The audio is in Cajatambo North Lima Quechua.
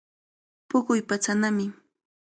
Puquy patsanami.